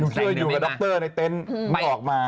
หนูช่วยอยู่กับดรในเต็นต์ไม่ออกมา